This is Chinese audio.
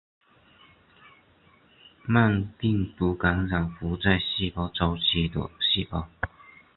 慢病毒感染不在细胞周期的细胞。